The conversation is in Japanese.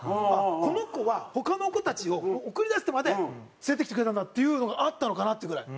この子は他の子たちを送り出してまで連れてきてくれたんだっていうのがあったのかなってぐらい。